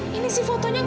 mungkin itu anaknya